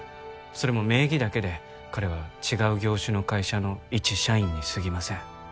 それも名義だけで彼は違う業種の会社の一社員にすぎません